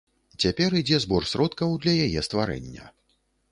Цяпер ідзе збор сродкаў для яе стварэння.